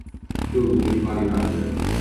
曾就读于巴黎大学。